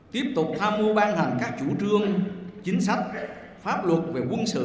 tiếp tục tham mưu ban hành các chủ trương chính sách pháp luật về quân sự